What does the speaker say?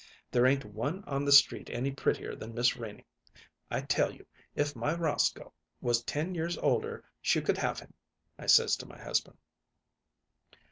"There ain't one on the street any prettier than Miss Renie. 'I tell you, if my Roscoe was ten years older she could have him,' I says to my husband."